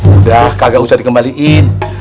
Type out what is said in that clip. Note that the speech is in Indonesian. udah kagak usah dikembaliin